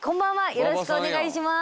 よろしくお願いします。